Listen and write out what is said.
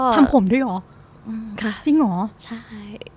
ทำผมด้วยหรอจริงหรอ